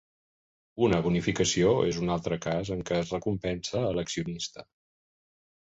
Una bonificació és un altre cas en què es recompensa a l'accionista.